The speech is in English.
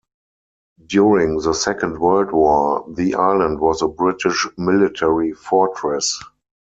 During the Second World War, the island was a British military fortress.